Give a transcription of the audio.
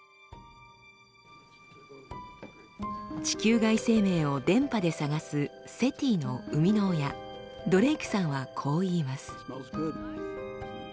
地球外生命を電波で探すＳＥＴＩの生みの親ドレイクさんはこう言います。